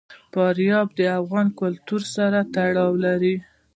فاریاب د افغان کلتور سره تړاو لري.